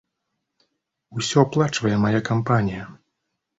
Усё аплачвае мая кампанія.